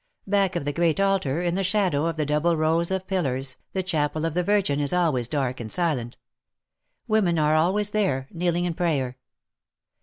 Back of the great altar, in the shadow of the double fows of pillars, the Chapel of the Virgin is always dark . THE MARKETS OF PARIS. 223 and silent. Women are always there, kneeling in prayer.